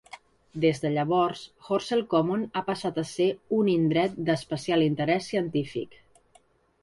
Des de llavors, Horsell Common ha passat a ser un Indret d'Especial Interès Científic.